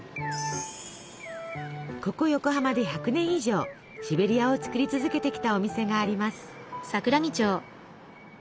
ここ横浜で１００年以上シベリアを作り続けてきたお店があります。